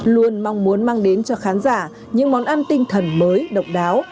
luôn mong muốn mang đến cho khán giả những món ăn tinh thần mới độc đáo